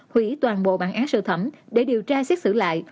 hủy toàn bộ bản án sơ thẩm để điều tra xét xử lại